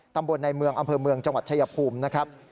ตำบลในเมืองอำเภอเมืองจังหวัดชายภูมินะครับ